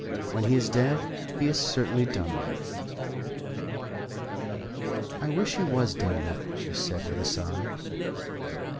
When he is dead, he is certainly done with." "I wish he was done with," she said, with a sigh.